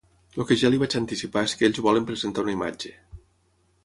El que ja li vaig anticipar és que ells volen presentar una imatge.